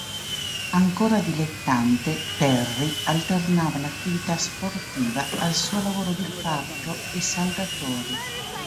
Ancora dilettante, Perry alternava l'attività sportiva al suo lavoro di fabbro e saldatore.